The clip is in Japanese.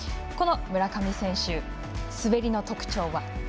この村上選手、滑りの特徴は？